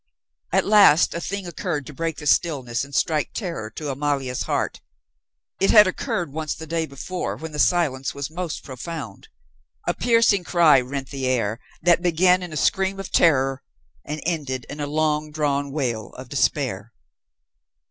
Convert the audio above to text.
At last a thing occurred to break the stillness and strike terror to Amalia's heart. It had occurred once the day before when the silence was most profound. A piercing cry rent the air, that began in a scream of terror and ended in a long drawn wail of despair.